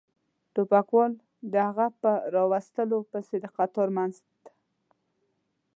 ټوپکوال د هغه په را وستلو پسې د قطار منځ ته.